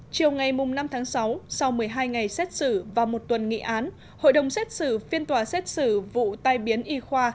chiều ngày năm tháng sáu sau một mươi hai ngày xét xử và một tuần nghị án hội đồng xét xử phiên tòa xét xử vụ tai biến y khoa